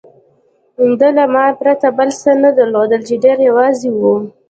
ده له ما پرته بل څه نه درلودل، چې ډېر یوازې و.